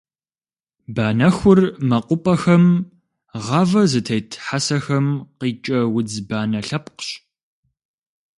Банэхур мэкъупӏэхэм, гъавэ зытет хьэсэхэм къикӏэ удз банэ лъэпкъщ.